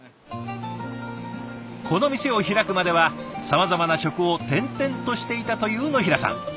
この店を開くまではさまざまな職を転々としていたという野平さん。